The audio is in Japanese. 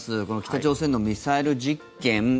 この北朝鮮のミサイル実験